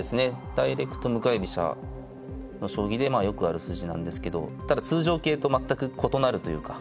ダイレクト向かい飛車の将棋でよくある筋なんですけどただ通常形と全く異なるというか。